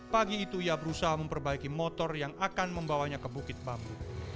pagi itu ia berusaha memperbaiki motor yang akan membawanya ke bukit bambu